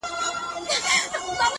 o هر څه چي راپېښ ســولـــــه؛